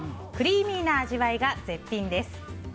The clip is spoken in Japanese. クリーミーな味わいが絶品です。